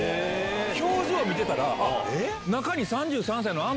表情見てたら。